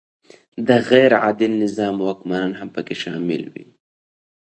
د غیر عادل نظام واکمنان هم پکې شامل وي.